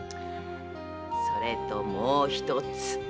それともうひとつ。